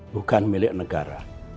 bukan milik negara